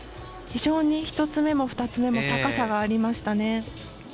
非常に１つ目も２つ目も高さがありました。